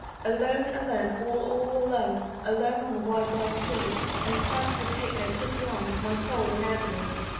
Alone, alone, all all alone Alone on the wide wide Sea; And Christ would take no pity on My soul in agony.